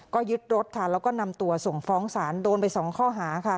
ก็ยึดรถค่ะแล้วก็นำตัวส่งฟ้องศาลโดนไปสองข้อหาค่ะ